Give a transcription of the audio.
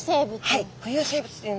はい。